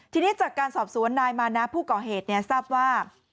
ทีนี้จากการสอบสวนนายมานะผู้ก่อเหตุทราบว่า